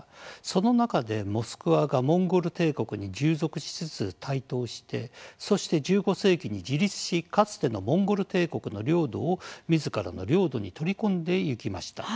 その中でモスクワがモンゴル帝国に従属しつつ台頭して、そして１５世紀に自立し、かつてのモンゴル帝国の領土をみずからの領土に取り込んでいきました。